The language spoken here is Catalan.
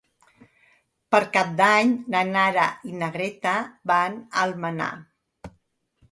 Per Cap d'Any na Nara i na Greta van a Almenar.